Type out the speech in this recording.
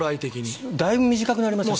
だいぶ短くなりますね。